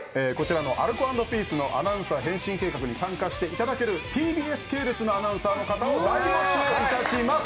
アルコ＆ピースの「アナウンサー変身計画」に参加していただけるＴＢＳ系列のアナウンサーの方を大募集いたします。